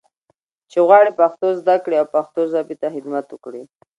چې غواړي پښتو زده کړي او پښتو ژبې ته خدمت وکړي.